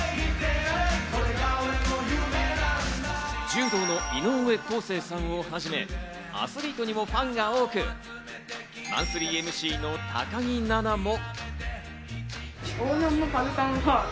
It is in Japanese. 柔道の井上康生さんをはじめ、アスリートにもファンが多く、マンスリーＭＣの高木菜那も。